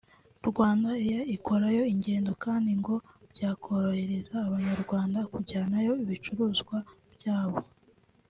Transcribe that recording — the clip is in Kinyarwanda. RwandAir ikorayo ingendo kandi ngo byakorohereza abanyarwanda kujyanayo ibicuruzwa byabo